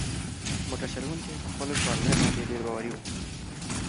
موټر چلونکی په خپلو سوارلۍ باندې ډېر باوري و.